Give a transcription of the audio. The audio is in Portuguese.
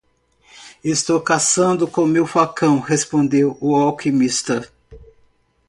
"Estou caçando com meu falcão?" respondeu o alquimista.